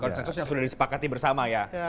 konsensus yang sudah disepakati bersama ya